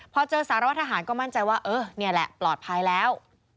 พอเจอสารวัตทหารก็มั่นใจว่าเออนี่แหละปลอดภัยแล้ว